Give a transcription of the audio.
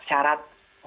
dan syarat utama